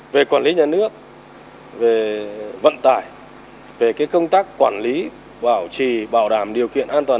về quản lý nhà nước về vận tải về công tác quản lý bảo trì bảo đảm điều kiện an toàn